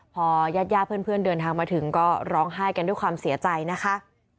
พอญาติญาติเพื่อนเดินทางมาถึงก็ร้องไห้กันด้วยความเสียใจนะคะ